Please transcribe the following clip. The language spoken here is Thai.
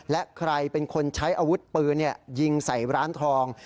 และใครเป็นคนใช้อาวุธปืนยิงใส่ร้านทอง